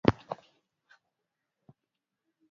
kutoka sudan kusini likitazamiwa kuanza hapo kesho jumapili